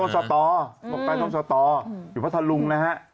จังหวัดพัทหลุง